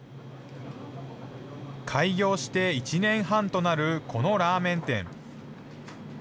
開業して１年半となるこのラーメン店。